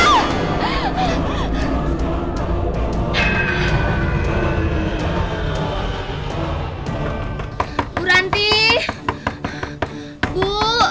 tadi saya diganggu sama tuyul bu